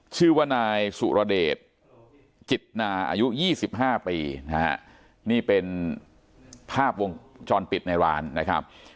ชื่อว่านายสุรเดชจิตนาอายุ๒๕ปีนะฮะนี่เป็นภาพวงจรปิดในร้านนะครับ